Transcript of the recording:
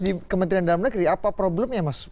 di kementerian dalam negeri apa problemnya mas